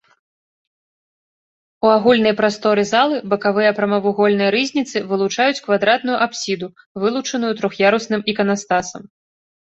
У агульнай прасторы залы бакавыя прамавугольныя рызніцы вылучаюць квадратную апсіду, вылучаную трох'ярусным іканастасам.